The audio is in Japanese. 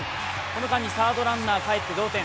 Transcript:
この間にサードランナー帰って同点。